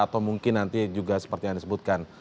atau mungkin nanti juga seperti yang disebutkan